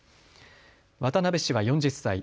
渡辺氏は４０歳。